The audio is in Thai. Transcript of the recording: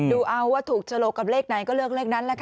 ดูเอาว่าถูกฉลกกับเลขไหนก็เลือกเลขนั้นแหละค่ะ